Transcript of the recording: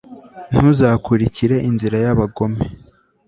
ntuzakurikire inzira y'abagome